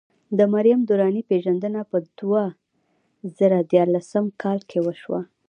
د مریم درانۍ پېژندنه په دوه زره ديارلسم کال کې وشوه.